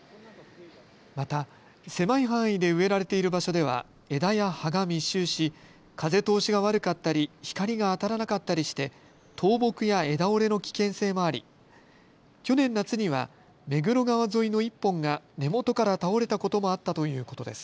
また狭い範囲で植えられている場所では枝や葉が密集し風通しが悪かったり光が当たらなかったりして倒木や枝折れの危険性もあり、去年夏には目黒川沿いの１本が根元から倒れたこともあったということです。